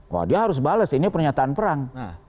wah dia harus bales ini pernyataan perang